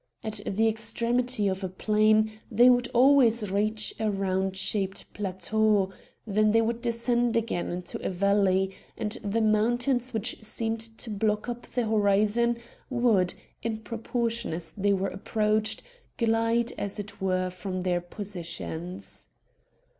At the extremity of a plain they would always reach a round shaped plateau; then they would descend again into a valley, and the mountains which seemed to block up the horizon would, in proportion as they were approached, glide as it were from their positions.